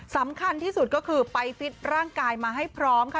สำคัญที่สุดก็คือไปฟิตร่างกายมาให้พร้อมค่ะ